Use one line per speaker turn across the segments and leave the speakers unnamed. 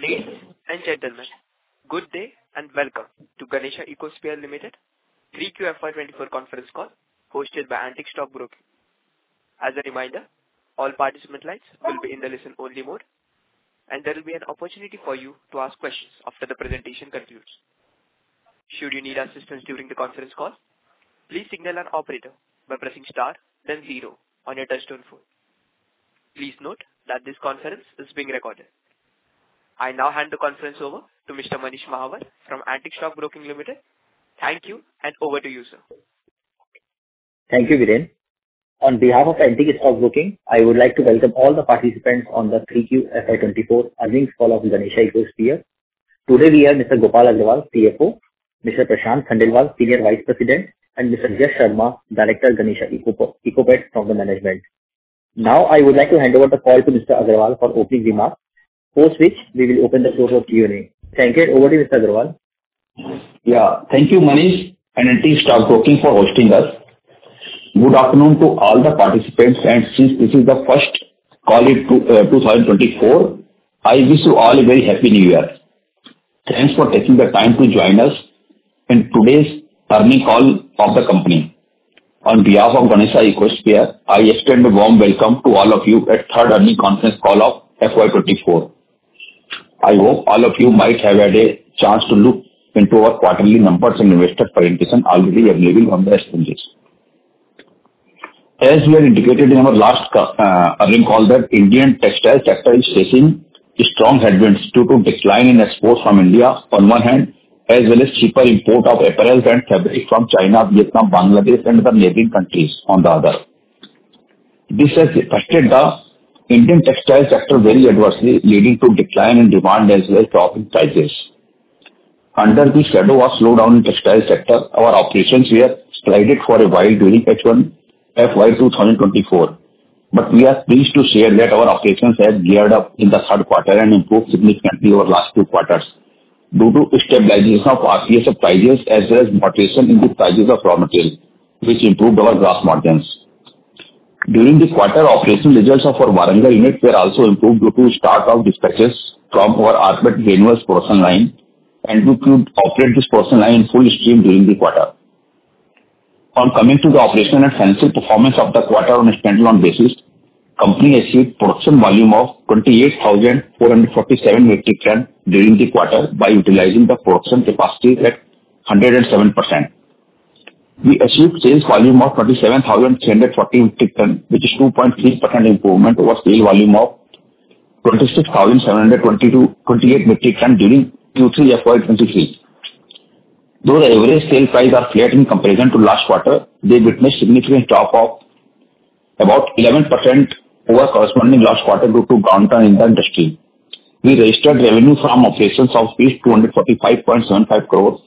Good day and welcome to Ganesha Ecosphere Limited 3Q FY 2024 conference call hosted by Antique Stock Broking. As a reminder, all participant lines will be in the listen-only mode, and there will be an opportunity for you to ask questions after the presentation concludes. Should you need assistance during the conference call, please signal an operator by pressing star, then 0 on your touch-tone phone. Please note that this conference is being recorded. I now hand the conference over to Mr. Manish Mahawar from Antique Stock Broking Limited. Thank you, and over to you, sir.
Thank you, Viren. On behalf of Antique Stock Broking, I would like to welcome all the participants on the 3Q FY 2024 earnings call of Ganesha Ecosphere. Today we have Mr. Gopal Agarwal, CFO, Mr. Prashant Khandelwal, Senior Vice President, and Mr. Yash Sharma, Director of Ganesha EcoPet from the management. Now I would like to hand over the call to Mr. Agarwal for opening remarks, post which we will open the floor for Q&A. Thank you, and over to you, Mr. Agarwal.
Yeah, thank you, Manish and Antique Stock Broking for hosting us. Good afternoon to all the participants, and since this is the first call in 2024, I wish you all a very happy New Year. Thanks for taking the time to join us in today's earnings call of the company. On behalf of Ganesha Ecosphere, I extend a warm welcome to all of you at the third earnings conference call of FY 2024. I hope all of you might have had a chance to look into our quarterly numbers and investor presentation already available from the exchanges. As we had indicated in our last earnings call, the Indian textile sector is facing strong headwinds due to a decline in exports from India on one hand, as well as cheaper imports of apparels and fabrics from China, Vietnam, Bangladesh, and the neighboring countries on the other. This has pushed the Indian textile sector very adversely, leading to a decline in demand as well as dropping prices. Under the shadow of a slowdown in the textile sector, our operations were slowed for a while during H1 FY 2024, but we are pleased to share that our operations have geared up in the third quarter and improved significantly over the last two quarters due to stabilization of RPSF prices as well as moderation in the prices of raw materials, which improved our gross margins. During the quarter, operational results of our Warangal unit were also improved due to the start of dispatches from our rPET granules production line and we could operate this production line in full stream during the quarter. On coming to the operational and financial performance of the quarter on a standalone basis, the company achieved a production volume of 28,447 metric tons during the quarter by utilizing the production capacity at 107%. We achieved sales volume of 27,340 metric tons, which is a 2.3% improvement over sales volume of 26,728 metric tons during Q3 FY 2023. Though the average sale price is flat in comparison to last quarter, we witnessed a significant drop of about 11% over corresponding last quarter due to downturn in the industry. We registered revenue from operations of 245.75 crore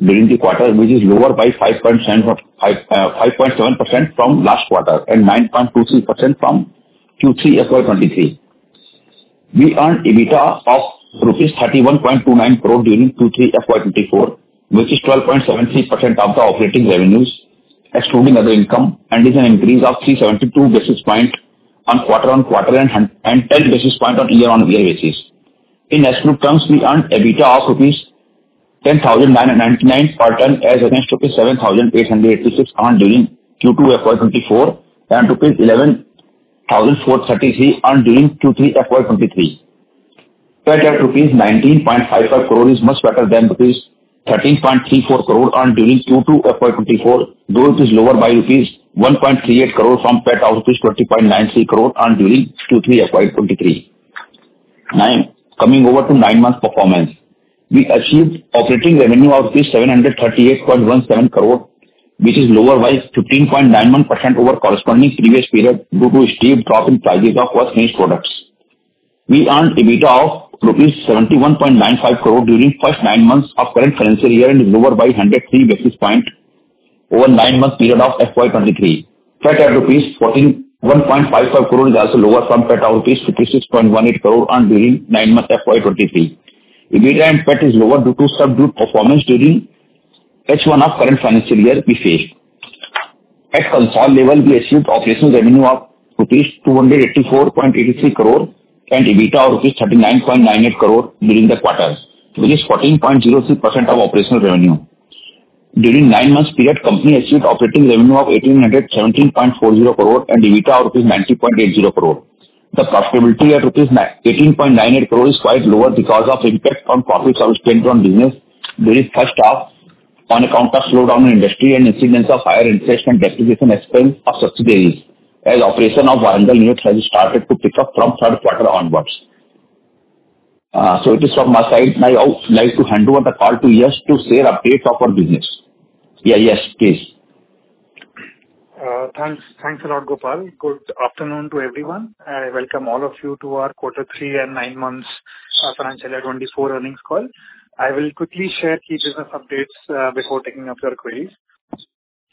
during the quarter, which is lower by 5.7% from last quarter and 9.23% from Q3 FY 2023. We earned EBITDA of rupees 31.29 crore during Q3 FY 2024, which is 12.73% of the operating revenues, excluding other income, and is an increase of 372 basis points on quarter-on-quarter and 10 basis points on year-on-year basis. In absolute terms, we earned EBITDA of INR 10,999 per ton as against INR 7,886 earned during Q2 FY 2024 and INR 11,433 earned during Q3 FY 2023. PAT at INR 19.55 crore is much better than INR 13.34 crore earned during Q2 FY 2024, though it is lower by INR 1.38 crore from PAT of INR 20.93 crore earned during Q3 FY 2023. Now, coming over to nine-month performance, we achieved operating revenue of 738.17 crore, which is lower by 15.91% over corresponding previous period due to a steep drop in prices of first finished products. We earned EBITDA of 71.95 crore during the first nine months of the current financial year and is lower by 103 basis points over the nine-month period of FY 2023. PAT at INR 41.55 crore is also lower from PAT of 56.18 crore rupees earned during nine-month FY 2023. EBITDA and PAT are lower due to subdued performance during H1 of the current financial year we faced. At consolidated level, we achieved operational revenue of 284.83 crore rupees and EBITDA of 39.98 crore rupees during the quarter, which is 14.03% of operational revenue. During the nine-month period, the company achieved operating revenue of 817.4 crore and EBITDA of INR 90.8 crore. The profitability at INR 18.98 crore is quite lower because of the impact on profits obtained on business during the first half on account of slowdown in the industry and the incidence of higher interest and depreciation expense of subsidiaries, as the operation of Warangal units has started to pick up from the third quarter onwards. So it is from my side. Now, I would like to hand over the call to Yash to share updates on our business. Yeah, Yash, please.
Thanks a lot, Gopal. Good afternoon to everyone. I welcome all of you to our Q3 and nine months financial 2024 earnings call. I will quickly share key business updates before taking up your queries.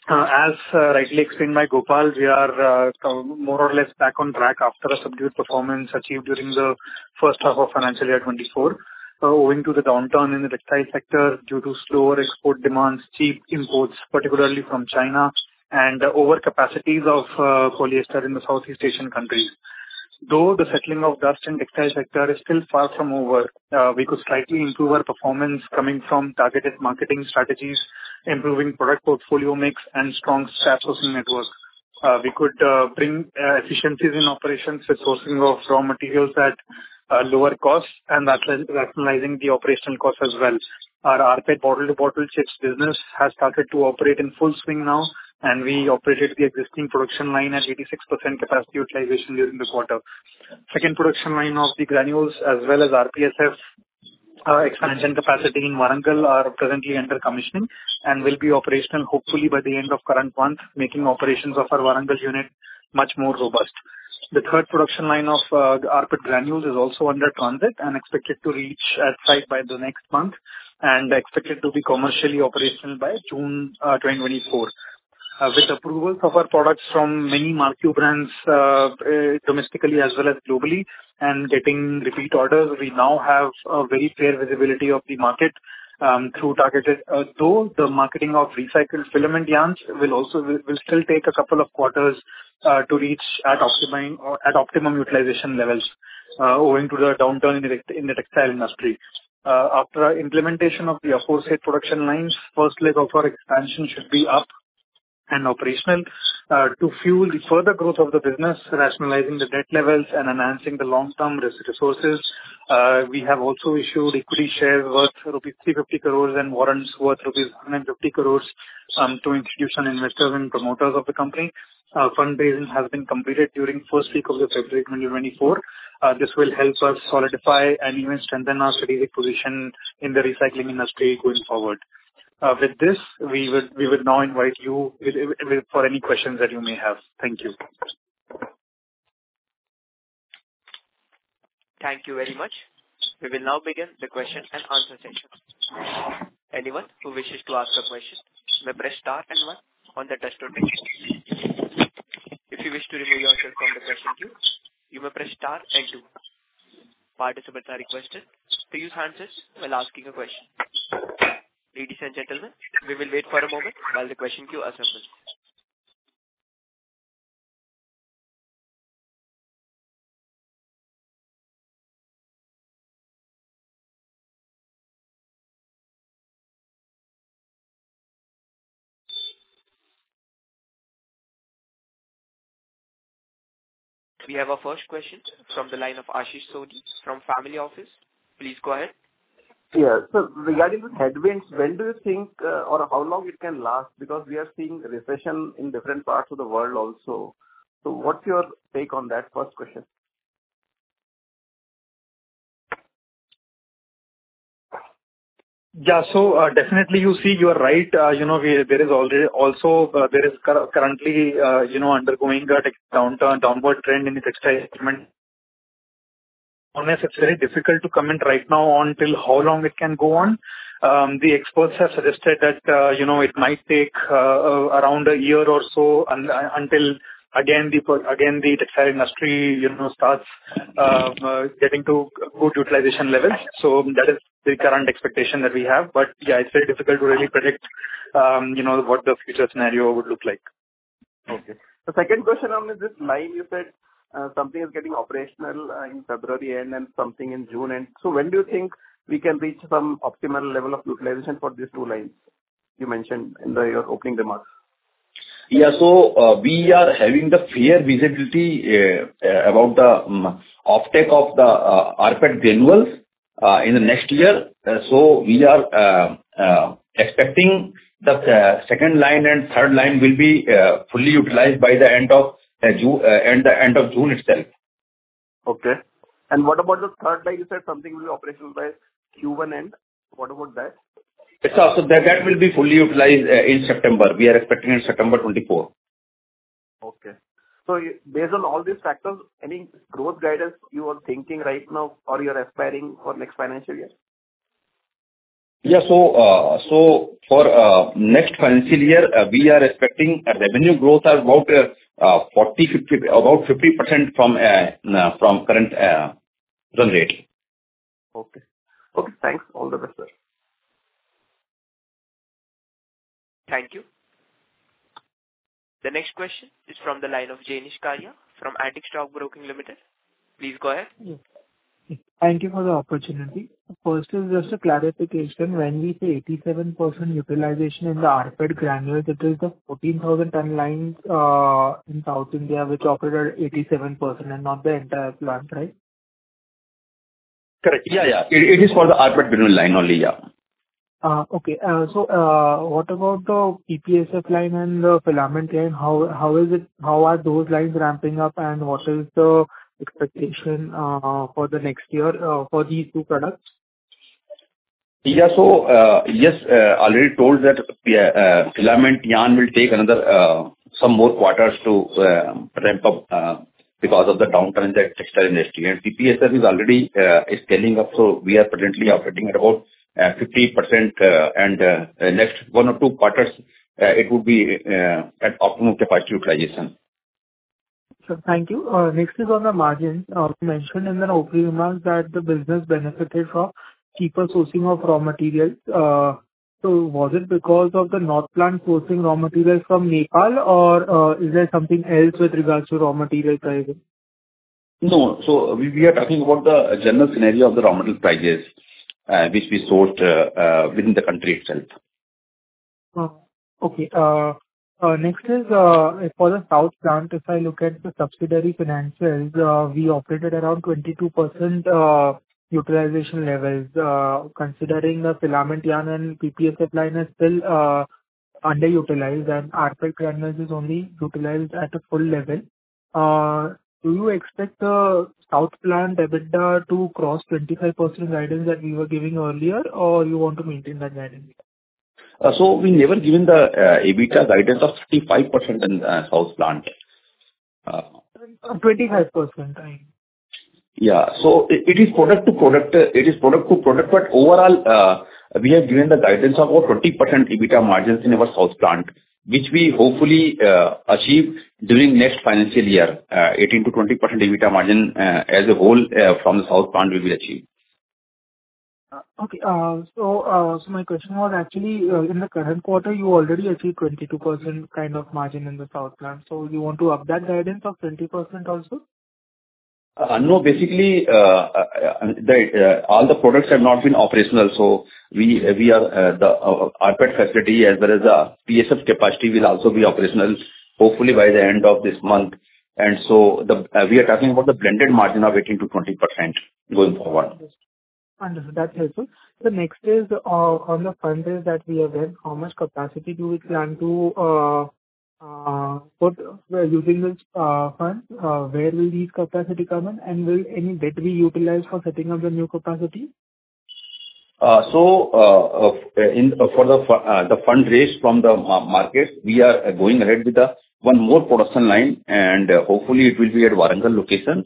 As rightly explained by Gopal, we are more or less back on track after the subdued performance achieved during the first half of financial year 2024, owing to the downturn in the textile sector due to slower export demands, cheap imports, particularly from China, and overcapacities of polyester in the Southeast Asian countries. Though the settling of the dust in the textile sector is still far from over, we could slightly improve our performance coming from targeted marketing strategies, improving product portfolio mix, and strong scrap sourcing network. We could bring efficiencies in operations with sourcing of raw materials at a lower cost and rationalizing the operational cost as well. Our rPET bottle-to-bottle chips business has started to operate in full swing now, and we operated the existing production line at 86% capacity utilization during the quarter. The second production line of the granules, as well as RPSF expansion capacity in Warangal, are presently under commissioning and will be operational hopefully by the end of the current month, making the operations of our Warangal unit much more robust. The third production line of rPET granules is also under transit and expected to reach site by the next month and expected to be commercially operational by June 2024. With the approvals of our products from many marquee brands domestically as well as globally and getting repeat orders, we now have a very fair visibility of the market through targeted marketing, though the marketing of recycled filament yarn will still take a couple of quarters to reach at optimum utilization levels, owing to the downturn in the textile industry. After implementation of the aforesaid production lines, the first leg of our expansion should be up and operational. To fuel the further growth of the business, rationalizing the debt levels, and enhancing the long-term resources, we have also issued equity shares worth rupees 350 crore and warrants worth rupees 150 crore to institutional investors and promoters of the company. Fundraising has been completed during the first week of February 2024. This will help us solidify and even strengthen our strategic position in the recycling industry going forward. With this, we would now invite you for any questions that you may have. Thank you.
Thank you very much. We will now begin the question and answer session. Anyone who wishes to ask a question, may press star and one on the touch-tone phone. If you wish to remove yourself from the question queue, you may press star and two. Participants are requested to use hands-free while asking a question. Ladies and gentlemen, we will wait for a moment while the question queue assembles. We have our first question from the line of Ashish Soni from the family office. Please go ahead.
Yeah. So regarding the headwinds, when do you think or how long it can last? Because we are seeing a recession in different parts of the world also. So what's your take on that first question?
Yeah. So definitely, you see, you are right. There is also currently undergoing a downward trend in the textile segment. It's very difficult to comment right now on how long it can go on. The experts have suggested that it might take around a year or so until again the textile industry starts getting to good utilization levels. So that is the current expectation that we have. But yeah, it's very difficult to really predict what the future scenario would look like.
Okay. The second question on this line, you said something is getting operational in February end and something in June end. So when do you think we can reach some optimal level of utilization for these two lines you mentioned in your opening remarks?
Yeah. So we are having the fair visibility about the offtake of the rPET granules in the next year. So we are expecting the second line and third line will be fully utilized by the end of June itself.
Okay. What about the third line? You said something will be operational by Q1 end. What about that?
That will be fully utilized in September. We are expecting it in September 2024.
Okay. So based on all these factors, any growth guidance you are thinking right now or you are aspiring for next financial year?
Yeah. So for next financial year, we are expecting revenue growth of about 50% from current run rate.
Okay. Okay. Thanks. All the best, sir.
Thank you. The next question is from the line of Jenish Karia from Antique Stock Broking Limited. Please go ahead.
Thank you for the opportunity. First, just a clarification. When we say 87% utilization in the rPET granules, it is the 14,000-ton lines in South India which operated at 87% and not the entire plant, right?
Correct. Yeah, yeah. It is for the rPET granule line only. Yeah.
Okay. So what about the PPSF line and the filament line? How are those lines ramping up, and what is the expectation for the next year for these two products?
Yeah. Yash already told that filament yarn will take some more quarters to ramp up because of the downturn in the textile industry. PPSF is already scaling up, so we are presently operating at about 50%. The next one or two quarters, it would be at optimum capacity utilization.
Thank you. Next is on the margins. You mentioned in the opening remarks that the business benefited from cheaper sourcing of raw materials. So was it because of the North plant sourcing raw materials from Nepal, or is there something else with regards to raw material pricing?
No. So we are talking about the general scenario of the raw material prices which we sourced within the country itself.
Okay. Next is for the South plant, if I look at the subsidiary financials, we operated around 22% utilization levels. Considering the filament yarn and PPSF line are still underutilized, and rPET granules is only utilized at a full level, do you expect the South plant EBITDA to cross 25% guidance that we were giving earlier, or you want to maintain that guidance?
So we never given the EBITDA guidance of 55% in the South plant.
25%, right?
Yeah. So it is product-to-product. It is product-to-product, but overall, we have given the guidance of about 20% EBITDA margins in our South plant, which we hopefully achieve during the next financial year. 18%-20% EBITDA margin as a whole from the South plant we will achieve.
Okay. So my question was, actually, in the current quarter, you already achieved 22% kind of margin in the South plant. So you want to up that guidance of 20% also?
No. Basically, all the products have not been operational. So the rPET facility as well as the PSF capacity will also be operational hopefully by the end of this month. And so we are talking about the blended margin of 18%-20% going forward.
Understood. That's helpful. So next is on the fundraise that we have had. How much capacity do we plan to put using this fund? Where will this capacity come in, and will any debt be utilized for setting up the new capacity?
So for the fundraise from the markets, we are going ahead with one more production line, and hopefully, it will be at Warangal location.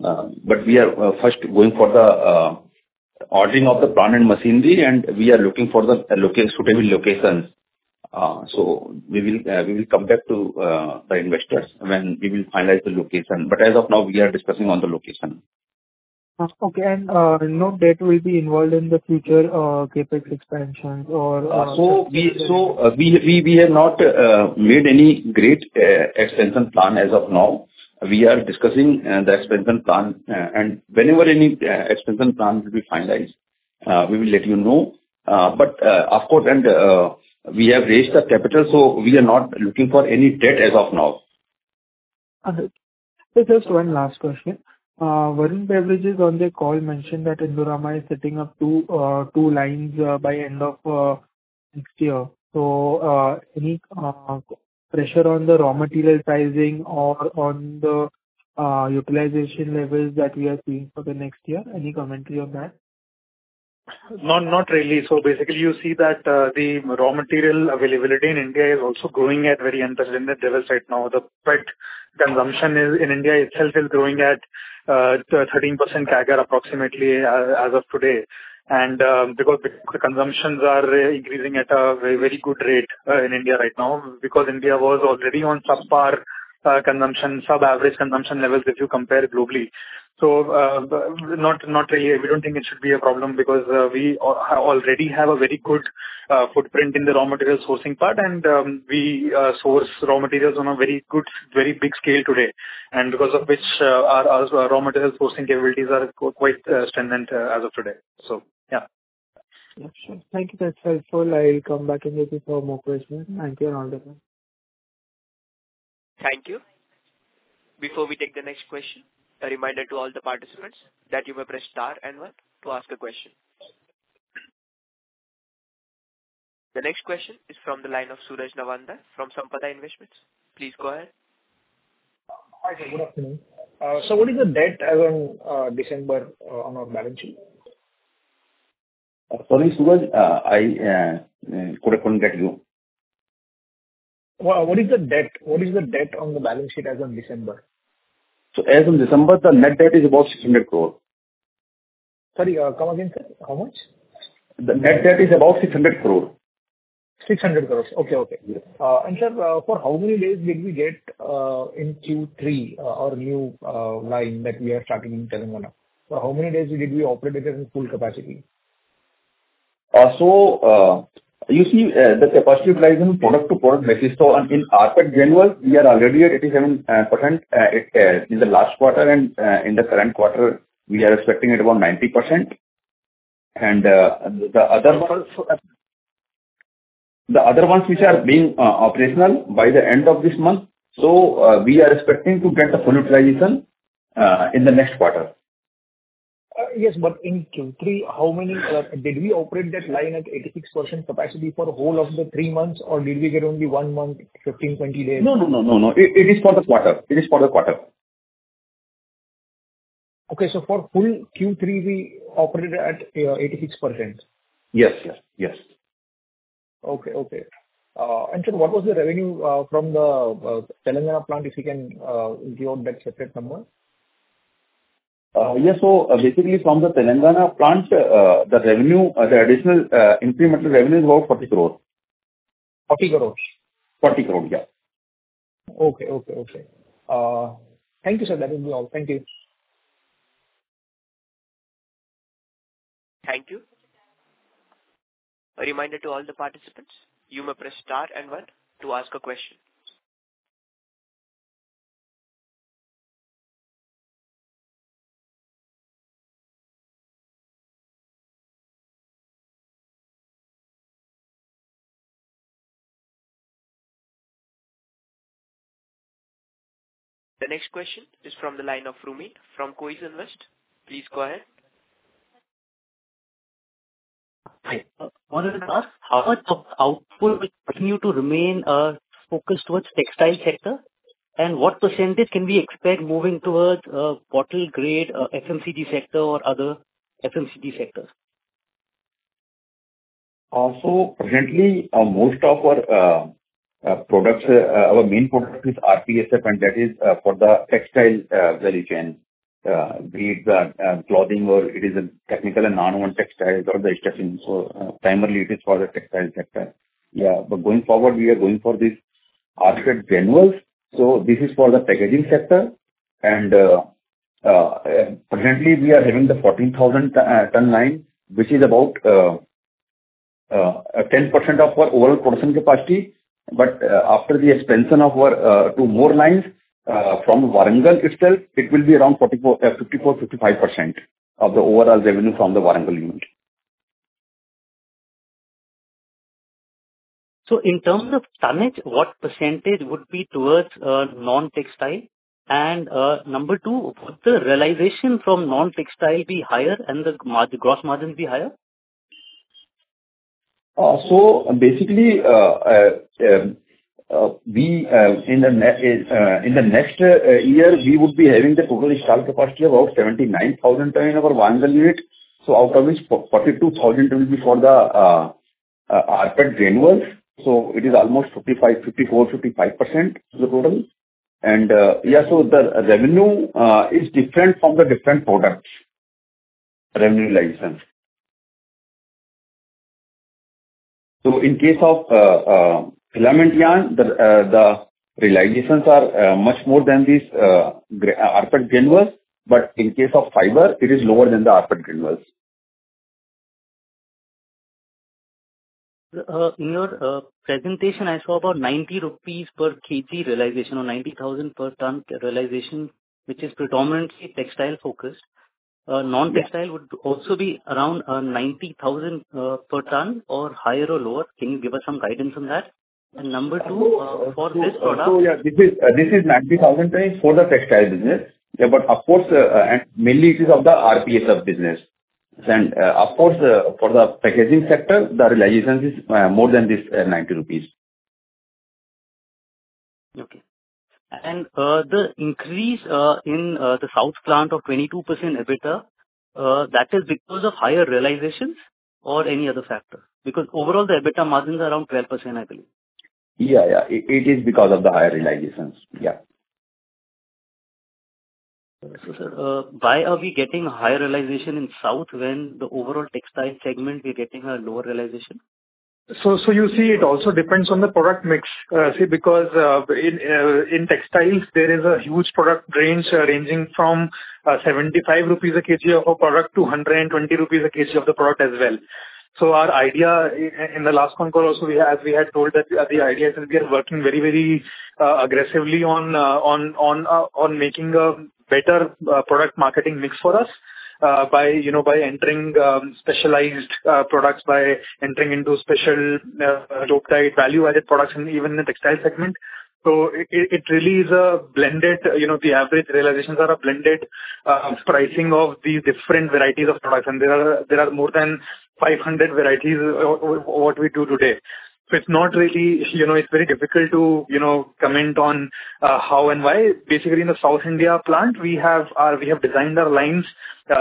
But we are first going for the ordering of the plant and machinery, and we are looking for the suitable locations. So we will come back to the investors when we will finalize the location. But as of now, we are discussing on the location.
Okay. No debt will be involved in the future CapEx expansions or?
We have not made any great expansion plan as of now. We are discussing the expansion plan, and whenever any expansion plan will be finalized, we will let you know. Of course, we have raised the capital, so we are not looking for any debt as of now.
Understood. Just one last question. Varun Beverages on the call mentioned that Indorama is setting up two lines by the end of next year. Any pressure on the raw material pricing or on the utilization levels that we are seeing for the next year? Any commentary on that?
Not really. So basically, you see that the raw material availability in India is also growing at a very unprecedented level right now. The PET consumption in India itself is growing at 13% CAGR approximately as of today because the consumptions are increasing at a very good rate in India right now because India was already on sub-average consumption levels if you compare globally. So not really. We don't think it should be a problem because we already have a very good footprint in the raw materials sourcing part, and we source raw materials on a very big scale today, and because of which, our raw materials sourcing capabilities are quite strengthened as of today. So yeah.
Yep. Sure. Thank you. That's helpful. I'll come back and get you some more questions. Thank you and all the best.
Thank you. Before we take the next question, a reminder to all the participants that you may press star and one to ask a question. The next question is from the line of Suraj Nawandhar from Sampada Investments. Please go ahead.
Hi, sir. Good afternoon. What is the debt as on December on our balance sheet?
Sorry, Suraj. I couldn't get you.
What is the debt? What is the debt on the balance sheet as on December?
As on December, the net debt is about 600 crore.
Sorry, come again, sir. How much?
The net debt is about 600 crore.
600 crore. Okay. Okay. And sir, for how many days did we get in Q3 our new line that we are starting in Telangana? For how many days did we operate it at full capacity?
So you see, the capacity utilization product-to-product basis. In rPET granules, we are already at 87% in the last quarter, and in the current quarter, we are expecting it about 90%. And the other ones which are being operational by the end of this month, so we are expecting to get the full utilization in the next quarter.
Yes. But in Q3, did we operate that line at 86% capacity for the whole of the three months, or did we get only one month, 15, 20 days?
No, no, no, no, no. It is for the quarter. It is for the quarter.
Okay. For full Q3, we operated at 86%?
Yes, yes, yes.
Okay. Okay. Sir, what was the revenue from the Telangana plant, if you can give out that separate number?
Yeah. So basically, from the Telangana plant, the additional incremental revenue is about 40 crore.
40 crore?
40 crore. Yeah.
Okay. Okay. Okay. Thank you, sir. That will be all. Thank you.
Thank you. A reminder to all the participants, you may press star and one to ask a question. The next question is from the line of Rumin from Kojin Finvest. Please go ahead.
Hi. One other thought. How about output will continue to remain focused towards the textile sector, and what percentage can we expect moving towards bottle-grade FMCG sector or other FMCG sectors?
So presently, most of our main product is RPSF, and that is for the textile value chain. Be it clothing or it is technical and non-woven textiles or the extraction. So primarily, it is for the textile sector. Yeah. But going forward, we are going for these rPET granules. So this is for the packaging sector. And presently, we are having the 14,000-ton line, which is about 10% of our overall production capacity. But after the expansion of 2 more lines from Warangal itself, it will be around 54%-55% of the overall revenue from the Warangal unit.
In terms of tonnage, what percentage would be towards non-textile? And number 2, would the realization from non-textile be higher and the gross margins be higher?
So basically, in the next year, we would be having the total installed capacity of about 79,000 tons in our Warangal unit. So out of which, 42,000 tons will be for the rPET granules. So it is almost 54%-55% of the total. And yeah, so the revenue is different from the different products' revenue realization. So in case of filament yarn, the realizations are much more than these rPET granules. But in case of fiber, it is lower than the rPET granules.
In your presentation, I saw about 90 rupees per kg realization or 90,000 per ton realization, which is predominantly textile-focused. Non-textile would also be around 90,000 per ton or higher or lower. Can you give us some guidance on that? And number two, for this product.
So yeah, this is 90,000 tons for the textile business. Of course, mainly, it is of the RPSF business. Of course, for the packaging sector, the realization is more than this 90 rupees.
Okay. The increase in the South plant of 22% EBITDA, that is because of higher realizations or any other factor? Because overall, the EBITDA margin is around 12%, I believe.
Yeah, yeah. It is because of the higher realizations. Yeah.
Sir, why are we getting higher realization in South when the overall textile segment, we're getting a lower realization?
So you see, it also depends on the product mix, see, because in textiles, there is a huge product range ranging from 75 rupees a kg of a product to 120 rupees a kg of the product as well. So our idea in the last phone call also, as we had told, that the idea is that we are working very, very aggressively on making a better product marketing mix for us by entering specialized products, by entering into special dope-dyed value-added products, and even in the textile segment. So it really is a blended. The average realizations are a blended pricing of these different varieties of products. And there are more than 500 varieties of what we do today. So it's not really very difficult to comment on how and why. Basically, in the South India plant, we have designed our lines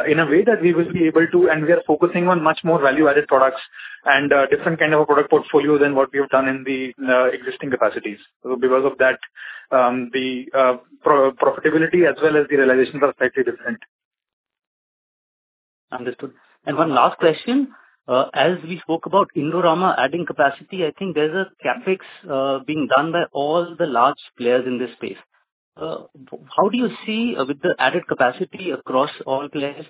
in a way that we will be able to and we are focusing on much more value-added products and a different kind of a product portfolio than what we have done in the existing capacities. So because of that, the profitability as well as the realizations are slightly different.
Understood. One last question. As we spoke about Indorama adding capacity, I think there's a CapEx being done by all the large players in this space. How do you see, with the added capacity across all players,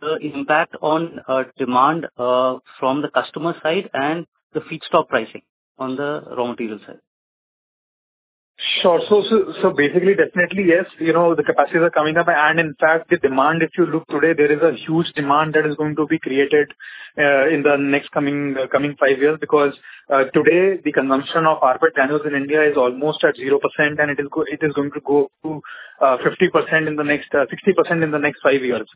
the impact on demand from the customer side and the feedstock pricing on the raw material side?
Sure. So basically, definitely, yes, the capacities are coming up. And in fact, the demand, if you look today, there is a huge demand that is going to be created in the next coming five years because today, the consumption of rPET granules in India is almost at 0%, and it is going to go to 50% in the next 60% in the next five years.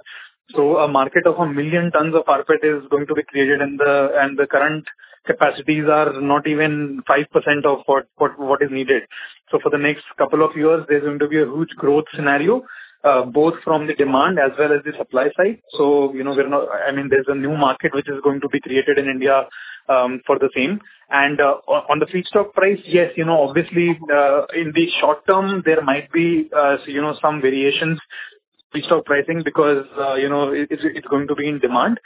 So a market of 1 million tons of rPET is going to be created, and the current capacities are not even 5% of what is needed. So for the next couple of years, there's going to be a huge growth scenario both from the demand as well as the supply side. So we're not I mean, there's a new market which is going to be created in India for the same. On the feedstock price, yes, obviously, in the short term, there might be some variations in feedstock pricing because it's going to be in demand.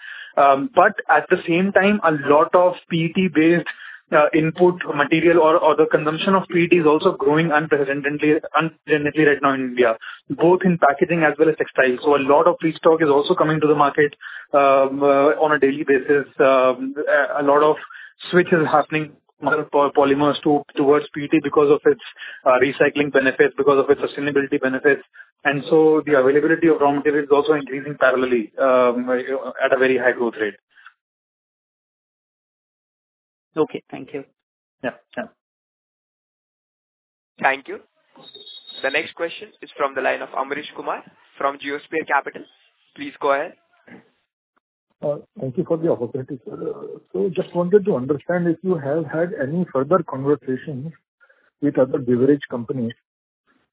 But at the same time, a lot of PET-based input material or the consumption of PET is also growing unprecedentedly right now in India, both in packaging as well as textiles. So a lot of feedstock is also coming to the market on a daily basis. A lot of switch is happening for polymers towards PET because of its recycling benefits, because of its sustainability benefits. And so the availability of raw materials is also increasing parallelly at a very high growth rate.
Okay. Thank you.
Yeah, yeah.
Thank you. The next question is from the line of Amresh Kumar from Geosphere Capital. Please go ahead.
Thank you for the opportunity, sir. So just wanted to understand if you have had any further conversations with other beverage companies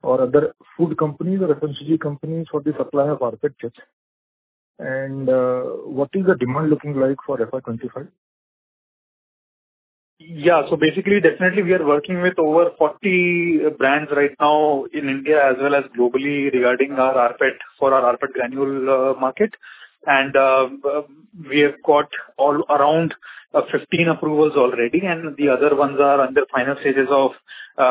or other food companies or FMCG companies for the supply of rPET chips, and what is the demand looking like for FY 2025?
Yeah. So basically, definitely, we are working with over 40 brands right now in India as well as globally regarding our rPET for our rPET granule market. And we have got around 15 approvals already, and the other ones are under final stages of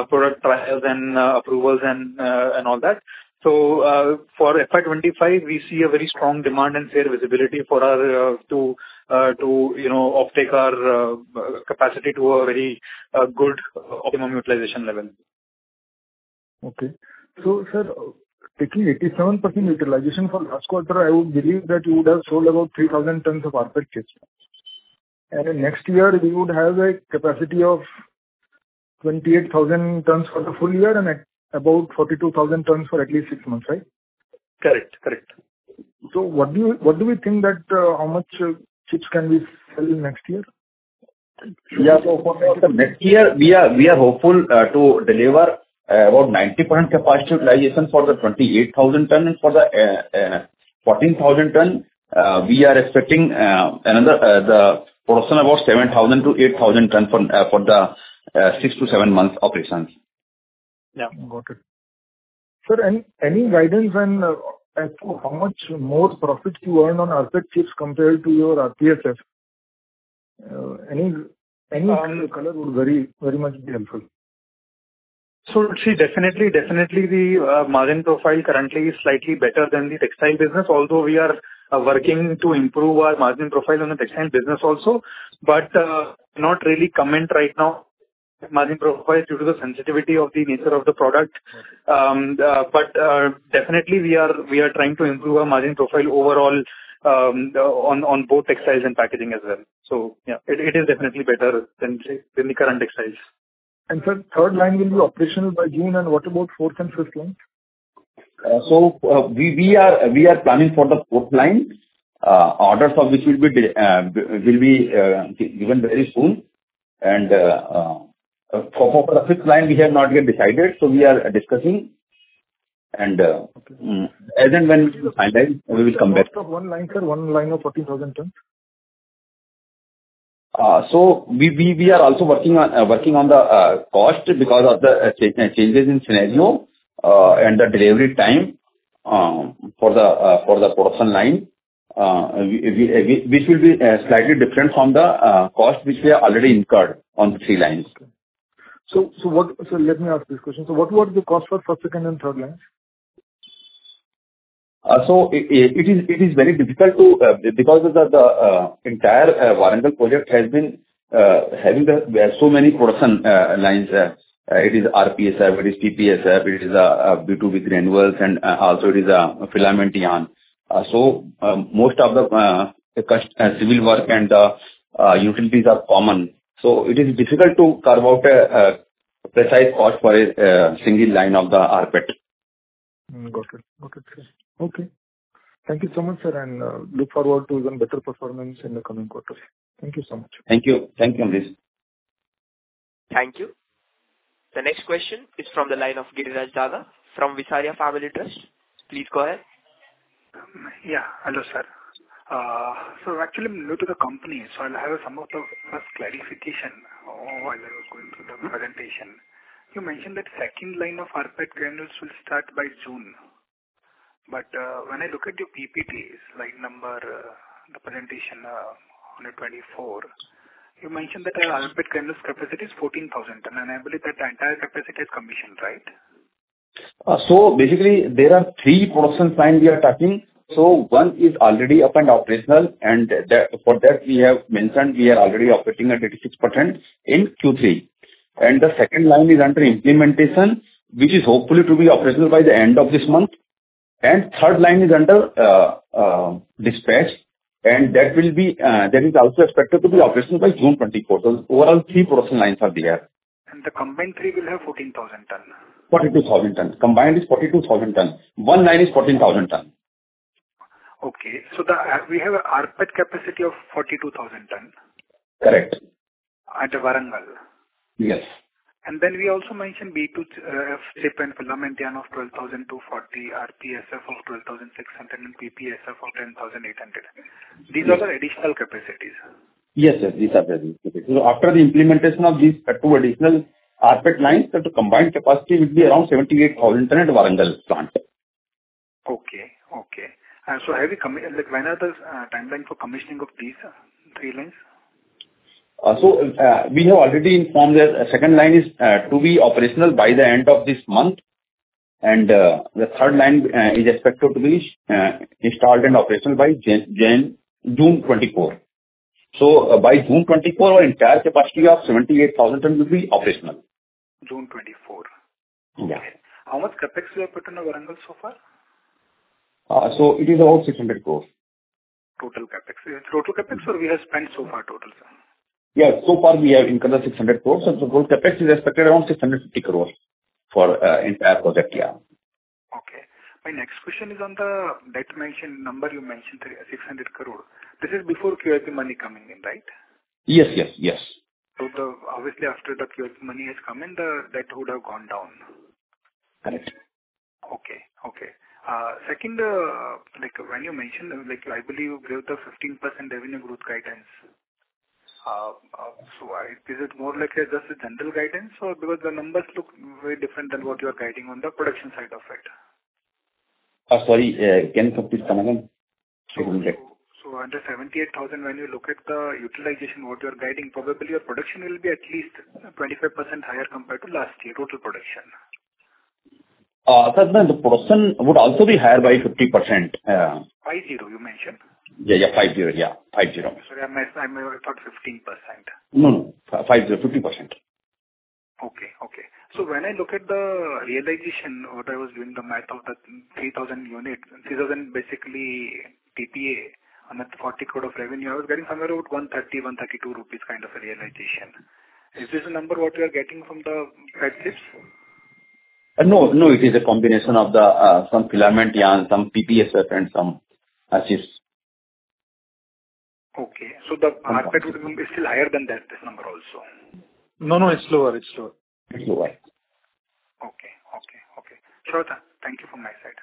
product trials and approvals and all that. So for FY 2025, we see a very strong demand and fair visibility to uptake our capacity to a very good optimum utilization level.
Okay. So sir, taking 87% utilization for last quarter, I would believe that you would have sold about 3,000 tons of rPET chips. And next year, we would have a capacity of 28,000 tons for the full year and about 42,000 tons for at least six months, right?
Correct, correct.
What do we think that how much chips can we sell next year?
Yeah. So for next year, we are hopeful to deliver about 90% capacity utilization for the 28,000 tons. And for the 14,000 tons, we are expecting the production about 7,000-8,000 tons for the six to seven months operations.
Yeah. Got it. Sir, any guidance on how much more profit you earn on rPET chips compared to your RPSF? Any color would very much be helpful.
So see, definitely, definitely, the margin profile currently is slightly better than the textile business, although we are working to improve our margin profile on the textile business also, but not really comment right now on margin profile due to the sensitivity of the nature of the product. But definitely, we are trying to improve our margin profile overall on both textiles and packaging as well. So yeah, it is definitely better than the current textiles.
Sir, third line will be operational by June, and what about fourth and fifth lines?
We are planning for the fourth line, orders of which will be given very soon. For the fifth line, we have not yet decided, so we are discussing. As and when we finalize, we will come back.
What about 1 line, sir? 1 line of 14,000 tons?
We are also working on the cost because of the changes in scenario and the delivery time for the production line, which will be slightly different from the cost which we are already incurred on the three lines.
Let me ask this question. What were the costs for first, second, and third lines?
So it is very difficult because the entire Warangal project has been having so many production lines. It is RPSF. It is PPSF. It is B2B granules. And also, it is filament yarn. So most of the civil work and the utilities are common. So it is difficult to carve out a precise cost for a single line of the rPET.
Got it. Got it, sir. Okay. Thank you so much, sir. And look forward to even better performance in the coming quarters. Thank you so much.
Thank you. Thank you, Amresh.
Thank you. The next question is from the line of Giriraj Daga from Visaria Family Trust. Please go ahead.
Yeah. Hello, sir. So actually, I'm new to the company, so I'll have some of the first clarification while I was going through the presentation. You mentioned that second line of rPET granules will start by June. But when I look at your PPTs, line number, the presentation 124, you mentioned that rPET granules capacity is 14,000 tons. And I believe that the entire capacity is commissioned, right?
So basically, there are three production lines we are talking. So one is already up and operational. And for that, we have mentioned we are already operating at 86% in Q3. And the second line is under implementation, which is hopefully to be operational by the end of this month. And third line is under dispatch. And that will be, that is also expected to be operational by June 2024. So overall, three production lines are there.
The combined three will have 14,000 ton?
42,000 ton. Combined is 42,000 ton. One line is 14,000 ton.
Okay. So we have an rPET capacity of 42,000 ton?
Correct.
At Warangal?
Yes.
And then we also mentioned B2B chip and filament yarn of 12,240, RPSF of 12,600, and PPSF of 10,800. These are the additional capacities?
Yes, yes. These are the additional capacities. So after the implementation of these 2 additional rPET lines, the combined capacity will be around 78,000 tons at Warangal plant.
Okay. Okay. So when are the timelines for commissioning of these three lines?
We have already informed that the second line is to be operational by the end of this month. The third line is expected to be installed and operational by June 2024. By June 2024, our entire capacity of 78,000 tons will be operational.
June 24. Okay. How much CapEx you have put on Warangal so far?
It is about 600 crore.
Total CapEx. Is it total CapEx, or we have spent so far total, sir?
Yes. So far, we have incurred 600 crore. And the total CapEx is expected around 650 crore for the entire project, yeah.
Okay. My next question is on the debt mentioned number you mentioned, 600 crore. This is before QIP money coming in, right?
Yes, yes, yes.
Obviously, after the QIP money has come in, the debt would have gone down?
Correct.
Okay. Okay. Second, when you mentioned I believe you gave the 15% revenue growth guidance. So is it more like just a general guidance because the numbers look very different than what you are guiding on the production side of it?
Sorry. Can you complete that again?
Under 78,000, when you look at the utilization, what you are guiding, probably your production will be at least 25% higher compared to last year, total production.
Sir, the production would also be higher by 50%.
50, you mentioned?
Yeah, yeah. 50. Yeah, 50.
Sorry. I thought 15%.
No, no. 50. 50%.
Okay. Okay. So when I look at the realization, what I was doing, the math of the 3,000 units, 3,000 basically TPA under the 40 crore of revenue, I was getting somewhere about 130-132 rupees kind of a realization. Is this a number what you are getting from the PET chips?
No, no. It is a combination of some filament yarn, some PPSF, and some chips.
Okay. So the rPET would be still higher than this number also?
No, no. It's lower. It's lower.
It's lower.
Okay. Okay. Okay. Sure, sir. Thank you from my side.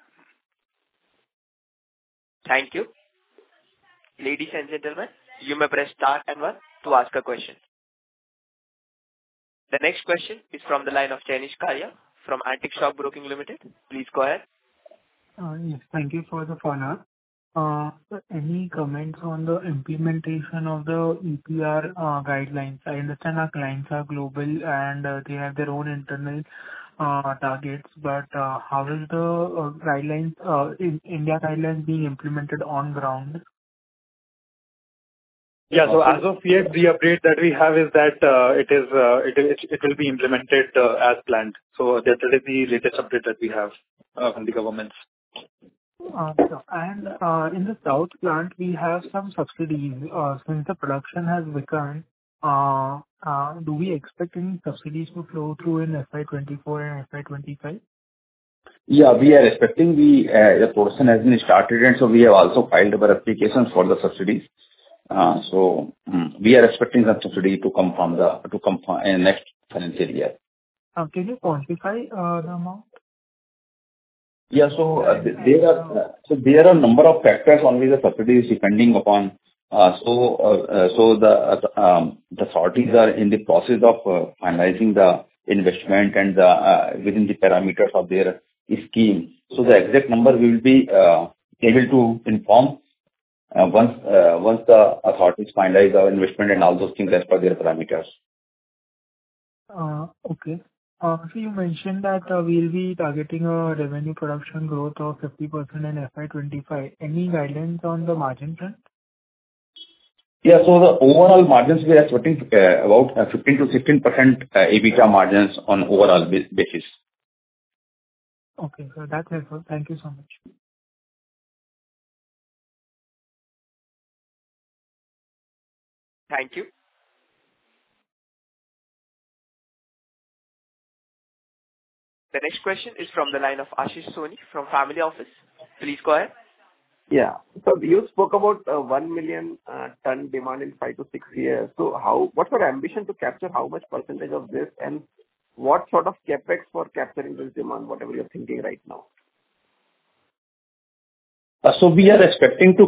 Thank you. Ladies and gentlemen, you may press star and one to ask a question. The next question is from the line of Jenish Karia from Antique Stock Broking Limited. Please go ahead.
Yes. Thank you for the phone, sir. Any comments on the implementation of the EPR guidelines? I understand our clients are global, and they have their own internal targets. But how is the Indian guidelines being implemented on ground?
Yeah. So as of yet, the update that we have is that it will be implemented as planned. So that is the latest update that we have from the governments.
In the south plant, we have some subsidies. Since the production has recurred, do we expect any subsidies to flow through in FY 2024 and FY 2025?
Yeah. We are expecting. The production has been started, and so we have also filed our applications for the subsidies. So we are expecting some subsidy to come from the next financial year.
Can you quantify the amount?
Yeah. There are a number of factors on which the subsidy is depending upon. The authorities are in the process of finalizing the investment within the parameters of their scheme. The exact number we will be able to inform once the authorities finalize our investment and all those things as per their parameters.
Okay. So you mentioned that we'll be targeting a revenue production growth of 50% in FY 2025. Any guidance on the margin front?
Yeah. So the overall margins, we are expecting about 15%-16% EBITDA margins on an overall basis.
Okay. So that's helpful. Thank you so much.
Thank you. The next question is from the line of Ashish Soni from family office. Please go ahead.
Yeah. So you spoke about 1 million ton demand in five to six years. So what's your ambition to capture? How much percentage of this? And what sort of CapEx for capturing this demand, whatever you're thinking right now?
So we are expecting to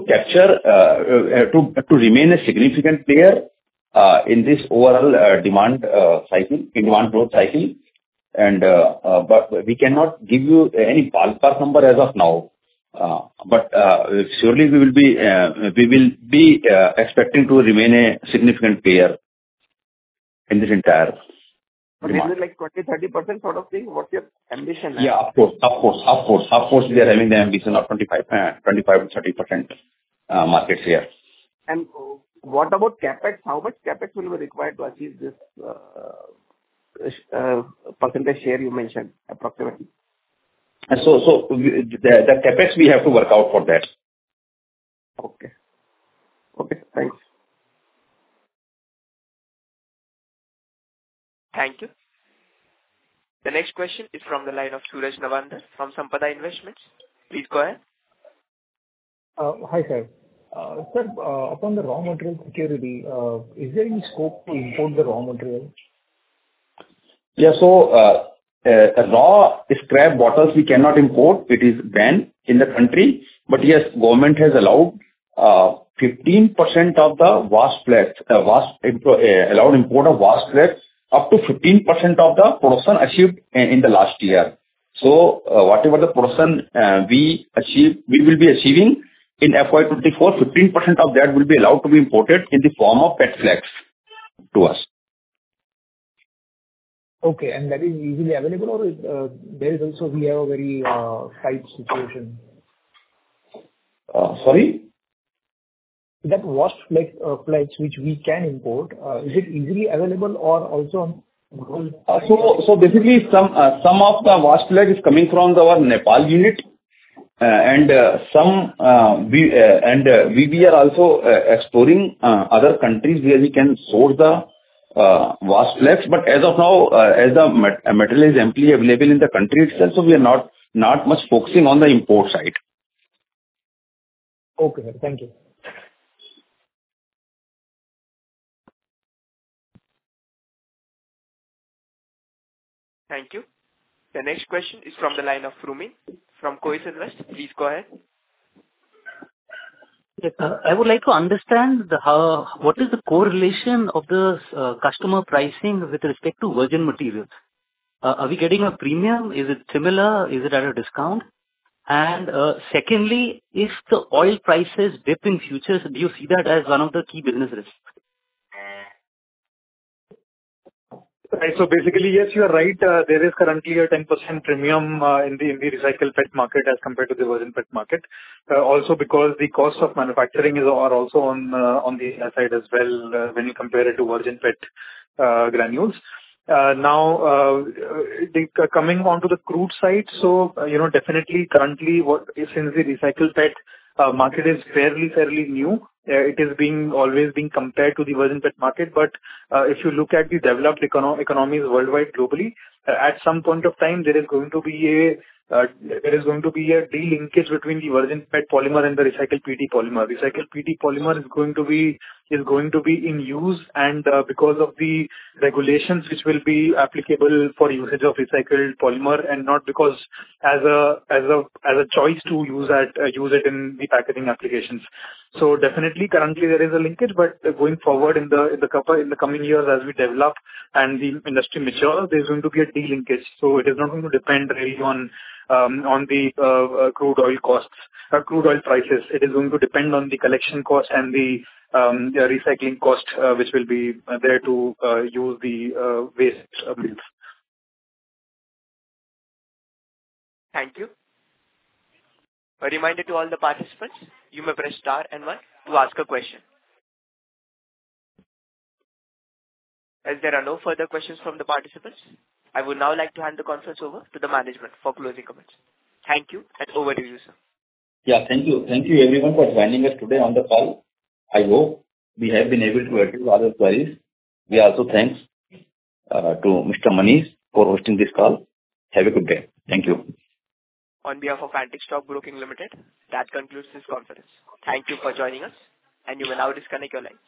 remain a significant player in this overall demand growth cycle. But we cannot give you any ballpark number as of now. But surely, we will be expecting to remain a significant player in this entire demand.
Is it like 20%-30% sort of thing? What's your ambition?
Yeah. Of course. Of course. Of course. Of course, we are having the ambition of 25%-30% market share.
What about CapEx? How much CapEx will be required to achieve this percentage share you mentioned, approximately?
The CapEx, we have to work out for that.
Okay. Okay. Thanks.
Thank you. The next question is from the line of Suraj Nawandhar from Sampada Investments. Please go ahead.
Hi, sir. Sir, upon the raw material security, is there any scope to import the raw material?
Yeah. So raw scrap bottles we cannot import. It is banned in the country. But yes, government has allowed 15% of the waste allowed import of washed flakes up to 15% of the production achieved in the last year. So whatever the production we will be achieving in FY 2024, 15% of that will be allowed to be imported in the form of PET flakes to us.
Okay. And that is easily available, or there is also we have a very tight situation?
Sorry?
That washed flakes which we can import, is it easily available, or also?
So basically, some of the washed flakes is coming from our Nepal unit. We are also exploring other countries where we can source the washed flakes. As of now, as the material is amply available in the country itself, so we are not much focusing on the import side.
Okay, sir. Thank you.
Thank you. The next question is from the line of Rumin from Kojin Finvest. Please go ahead.
Yes, sir. I would like to understand what is the correlation of the customer pricing with respect to virgin material? Are we getting a premium? Is it similar? Is it at a discount? And secondly, if the oil prices dip in futures, do you see that as one of the key business risks?
So basically, yes, you are right. There is currently a 10% premium in the recycled PET market as compared to the virgin PET market, also because the cost of manufacturing is also on the other side as well when you compare it to virgin PET granules. Now, coming onto the crude side, so definitely, currently, since the recycled PET market is fairly, fairly new, it is always being compared to the virgin PET market. But if you look at the developed economies worldwide, globally, at some point of time, there is going to be a de-linkage between the virgin PET polymer and the recycled PET polymer. Recycled PET polymer is going to be in use. Because of the regulations which will be applicable for usage of recycled polymer and not because as a choice to use it in the packaging applications. Definitely, currently, there is a linkage. But going forward, in the coming years, as we develop and the industry matures, there is going to be a de-linkage. It is not going to depend really on the crude oil costs or crude oil prices. It is going to depend on the collection cost and the recycling cost which will be there to use the waste materials.
Thank you. A reminder to all the participants, you may press star one to ask a question. As there are no further questions from the participants, I would now like to hand the conference over to the management for closing comments. Thank you, and over to you, sir.
Yeah. Thank you. Thank you, everyone, for joining us today on the call. I hope we have been able to address all your queries. We also thank Mr. Manish for hosting this call. Have a good day. Thank you.
On behalf of Antique Stock Broking Limited, that concludes this conference. Thank you for joining us, and you may now disconnect your lines.